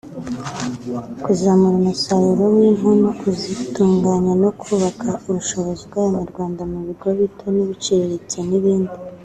kuzamura umusaruro w’impu no kuzitunganya no kubaka ubushobozi bw’Abanyarwanda mu bigo bito n’ibiciriritse n’ibindi